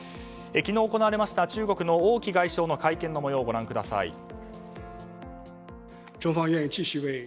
昨日行われました中国の王毅外相の会見の模様をご覧ください。